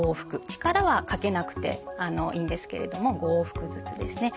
力はかけなくていいんですけれども５往復ずつですね。